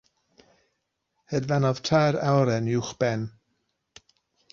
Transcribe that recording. Hedfanodd tair awyren uwch ben.